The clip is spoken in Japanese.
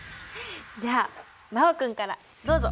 じゃあ真旺君からどうぞ。